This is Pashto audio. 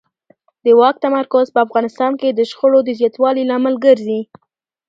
د واک تمرکز په افغانستان کې د شخړو د زیاتوالي لامل ګرځي